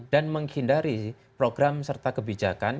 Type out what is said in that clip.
dan menghindari program serta kebijakan